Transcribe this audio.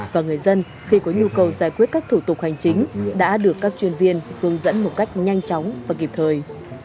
và người dân khi có nhu cầu giải quyết các thủ tục hành chính đã được các chuyên viên hướng dẫn một cách nhanh chóng và kịp thời